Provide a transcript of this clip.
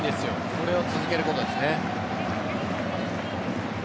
これを続けることですね。